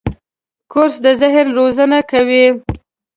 کورس د ذهن روزنه کوي.